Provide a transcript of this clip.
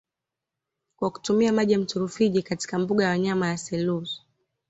Kwa kutumia maji ya mto Rufiji katika mbuga ya wanyama ya Selous